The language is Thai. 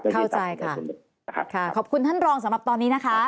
เข้าใจค่ะขอบคุณท่านรองสำหรับตอนนี้นะคะ